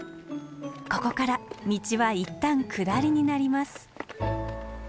ここから道はいったん下りになります。